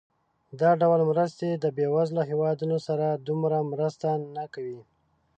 دا ډول مرستې د بېوزله هېوادونو سره دومره مرسته نه کوي.